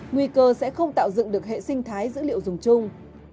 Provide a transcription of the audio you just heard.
nguy cơ sẽ không tạo dựng được hệ sinh thái dữ liệu dùng chung